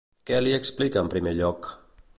Què li explica en primer lloc?